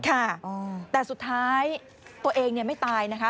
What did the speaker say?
ค่ะแต่สุดท้ายตัวเองไม่ตายนะคะ